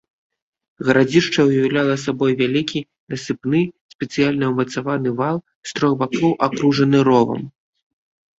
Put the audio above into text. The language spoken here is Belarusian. Гарадзішча ўяўляла сабой вялікі насыпны, спецыяльна ўмацаваны вал, з трох бакоў акружаны ровам.